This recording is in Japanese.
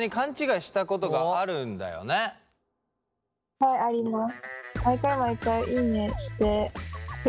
はいあります。